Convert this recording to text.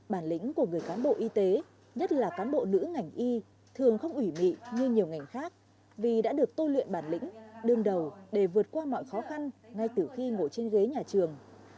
bản lĩnh của người cán bộ y tế nhất là cán bộ nữ ngành y thường không ủy mị như nhiều ngành khác vì đã được tôi luyện bản lĩnh đương đầu để vượt qua mọi khó khăn ngay từ khi ngồi trên ghế nhà trường